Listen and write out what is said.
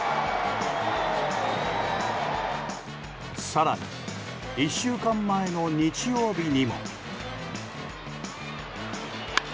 更に、１週間前の日曜日にも。